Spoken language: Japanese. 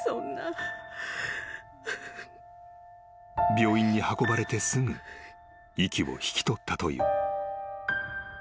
［病院に運ばれてすぐ息を引き取ったという］